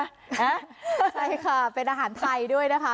ใช่ค่ะเป็นอาหารไทยด้วยนะคะ